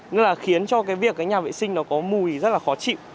nên là khiến cho cái việc cái nhà vệ sinh nó có mùi rất là khó chịu